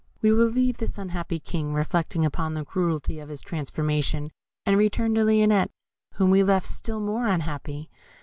We will leave this unhappy King reflecting upon the cruelty of this transformation, and return to Lionette, whom we left still more unhappy.